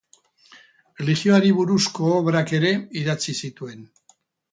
Erlijioari buruzko obrak ere idatzi zituen.